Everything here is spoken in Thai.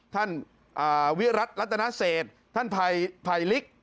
ท่านวิรัติรัตนาเศษท่านภัยลิก